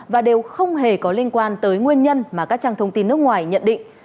và đều không hề có liên quan tới nguyên nhân mà các trang thông tin nước ngoài nhận định